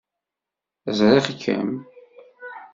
Ẓriɣ-kem.